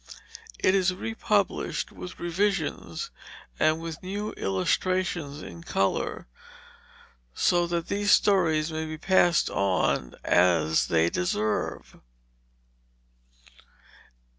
It is republished, with revisions and with new illustrations in color, so that these stories may be passed on as they deserve.